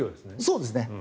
そうですね。